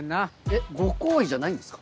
えっご厚意じゃないんですか？